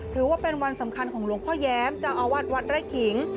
ถือว่าเป็นวันสำคัญของหลวงพ่อแย้มเจ้าอาวาสวัดไร่ขิง